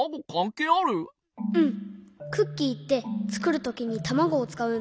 クッキーってつくるときにたまごをつかうんだよ。